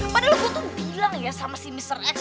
padahal lu gue tuh bilang ya sama si mr x